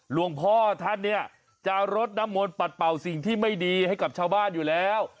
หลวงพ่อท่านเนี่ยจะรดน้ำมนต์ปัดเป่าสิ่งที่ไม่ดีให้กับชาวบ้านอยู่แล้ว